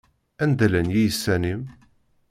Anda llan yiysan-im?